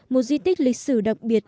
một di tích lịch sử đặc biệt